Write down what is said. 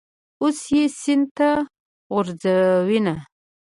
اوس یې سین ته غورځوینه.